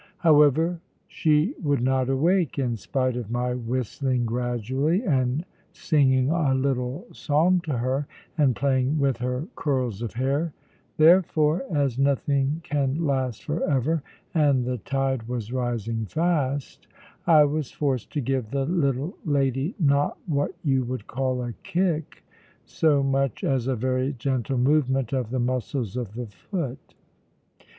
However, she would not awake, in spite of my whistling gradually, and singing a little song to her, and playing with her curls of hair; therefore, as nothing can last for ever, and the tide was rising fast, I was forced to give the little lady, not what you would call a kick so much as a very gentle movement of the muscles of the foot.